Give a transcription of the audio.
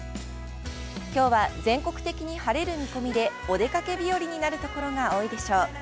きょうは全国的に晴れる見込みでお出かけ日和になる所が多いでしょう。